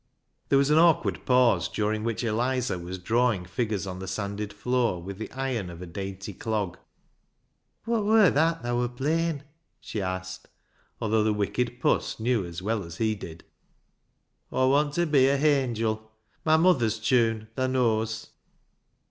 There was an awkward pause, during which Eliza was drawing figures on the sanded floor with the iron of a dainty clog. " Wot wur that thaa wur playin' ?" she asked, although the wicked puss knew as well as he did. "'Aw want ta be a iiangil,' my muther's tune, thaa knows."